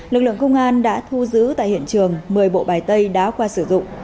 lực lượng công an đã thu giữ tại hiện trường một mươi bộ bài tây đá khoa sử dụng